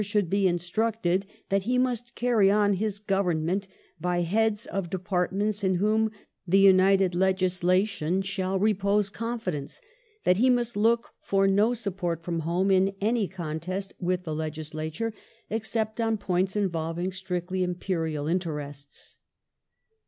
. should be instructed that he must carry on his Government by heads of departments in whom the United Legislation shall repose confidence ; and that he must look for no support from home in any contest with the Legis lature, except on points involving strictly Imperial interests."